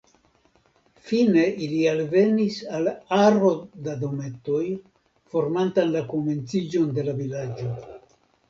Fine ili alvenis al aro da dometoj, formantaj la komenciĝon de la vilaĝo.